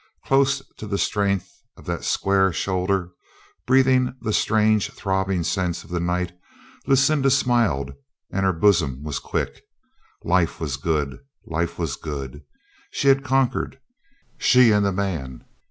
Close to the strength of that square shoulder, breath ing the strange throbbing scents of the night, Lucinda smiled and her bosom was quick. ... Life was good. Life was good. She had conquered, she and the man.